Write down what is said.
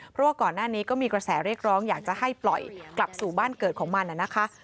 เพราะว่าก่อนหน้านี้ก็มีกระแสเรียกร้องอยากจะให้ปล่อยกลับสู่บ้านเกิดของมันนะคะ